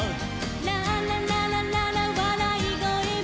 「ララランランララわらいごえも」